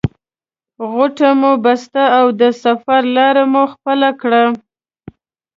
غوټه مو بسته او د سفر لاره مو خپله کړه.